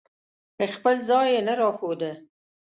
خپل ځای یې نه راښوده.